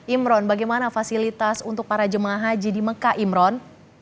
imron bagaimana fasilitas untuk para jemaah haji di mekah imron